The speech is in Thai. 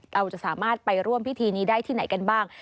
เราจะสามารถไปร่วมพิธีนี้ได้ที่ไหนกันบ้าง